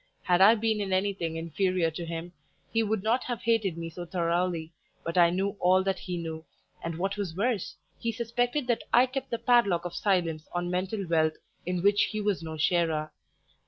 Had I been in anything inferior to him, he would not have hated me so thoroughly, but I knew all that he knew, and, what was worse, he suspected that I kept the padlock of silence on mental wealth in which he was no sharer.